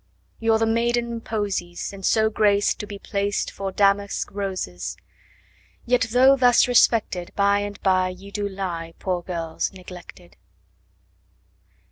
You're the maiden posies, And so graced 10 To be placed 'Fore damask roses. Yet, though thus respected, By and by Ye do lie, 15 Poor girls, neglected.